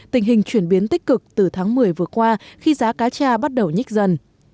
tình hình chuyển biến tích cực từ tháng một mươi vừa qua khi giá cá tra bắt đầu nhích dần